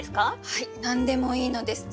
はい何でもいいのです。